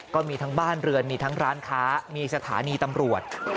ก็มีทั้งบ้านเรือนมีทั้งร้านค้ามีสถานีตำรวจ